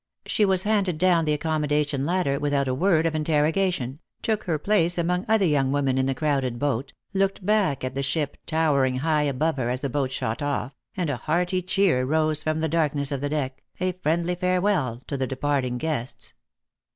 She was handed down the accommodation ladder without a word of interrogation, took her place among other young women in the crowded boat, looked back at the ship towering high above her as the boat shot off, and a hearty cheer rose from the darkness of the deck, a friendly farewell to the departing guests.